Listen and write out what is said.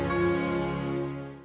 aku akan menanggungmu